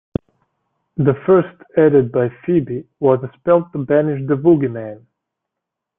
The first, added by Phoebe, was a spell to banish the Woogyman.